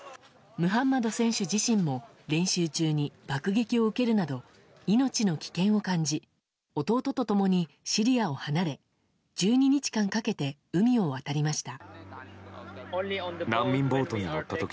ムハンマド選手自身も練習中に爆撃を受けるなど命の危険を感じ弟と共にシリアを離れ１２日間かけて海を渡りました。